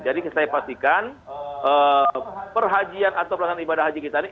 jadi saya pastikan perhajian atau perlangganan ibadah haji kita ini